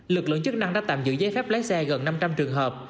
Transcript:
lực lượng chức năng đã tạm giữ giấy phép lái xe gần năm trăm linh trường hợp